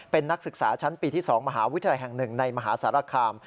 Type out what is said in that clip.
เป็นนักศึกษาชั้นปีที่๒มหาวิทยาลัยแห่ง๑ในมหาสารคาม